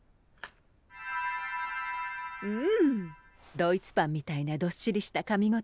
ドイツパンみたいなどっしりしたかみ応え。